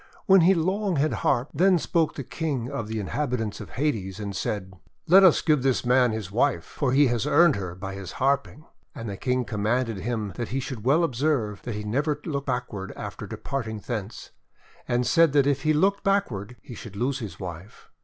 When he long had harped, then spoke the King of the inhabitants of Hades, and said: — ERYSICHTHON THE HUNGRY 323 "Let us give this man his wife, for he has earned her by his harping." And the King commanded him that he should well observe that he never look backward after departing thence, and said that if he looked backward he should lose his wife.